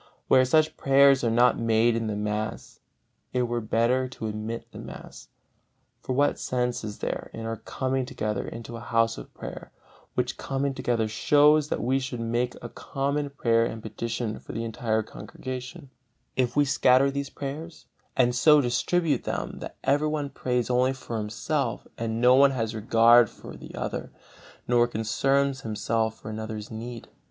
Where such prayers are not made in the mass, it were better to omit the mass. For what sense is there in our coming together into a House of Prayer, which coming together shows that we should make common prayer and petition for the entire congregation, if we scatter these prayers, and so distribute them that everyone prays only for himself, and no one has regard for the other, nor concerns himself for another's need?